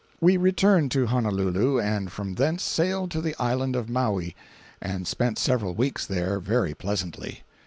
We returned to Honolulu, and from thence sailed to the island of Maui, and spent several weeks there very pleasantly.